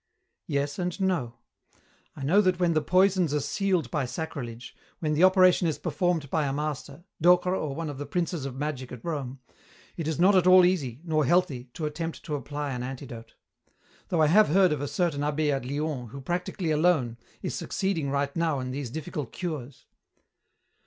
"Yes and no. I know that when the poisons are sealed by sacrilege, when the operation is performed by a master, Docre or one of the princes of magic at Rome, it is not at all easy nor healthy to attempt to apply an antidote. Though I have heard of a certain abbé at Lyons who, practically alone, is succeeding right now in these difficult cures."